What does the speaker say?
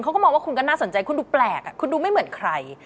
เขาก็มองว่าคุณก็น่าสนใจคุณดูแปลกคุณดูไม่เหมือนใคร